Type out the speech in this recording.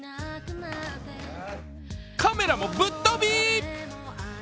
カメラもぶっ飛び！